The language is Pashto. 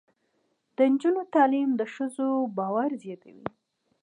د نجونو تعلیم د ښځو باور زیاتوي.